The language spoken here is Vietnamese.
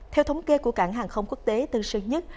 theo thống kê của cảng hàng không quốc tế tân sơn nhất